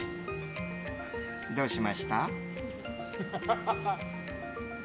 どうしました？